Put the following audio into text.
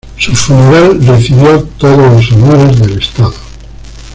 Su funeral recibió todos los honores del Estado.